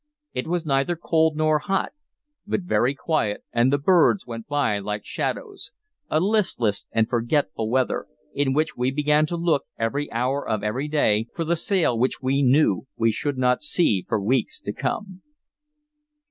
It was neither cold nor hot, but very quiet, and the birds went by like shadows, a listless and forgetful weather, in which we began to look, every hour of every day, for the sail which we knew we should not see for weeks to come.